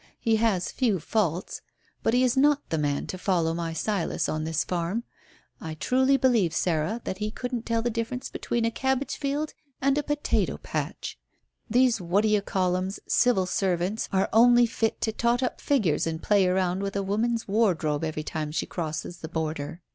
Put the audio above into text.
He has few faults. But he is not the man to follow my Silas on this farm. I truly believe, Sarah, that he couldn't tell the difference between a cabbage field and a potato patch. These what d'you call 'ems, Civil servants, are only fit to tot up figures and play around with a woman's wardrobe every time she crosses the border.